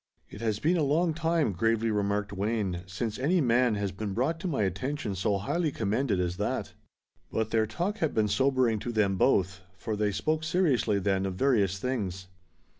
"It has been a long time," gravely remarked Wayne, "since any man has been brought to my attention so highly commended as that." But their talk had been sobering to them both, for they spoke seriously then of various things.